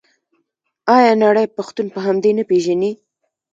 آیا نړۍ پښتون په همدې نه پیژني؟